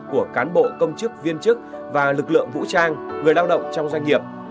của cán bộ công chức viên chức và lực lượng vũ trang người lao động trong doanh nghiệp